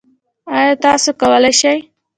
ایا تاسو کولی شئ؟